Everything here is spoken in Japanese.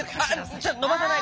ちょっとのばさないで！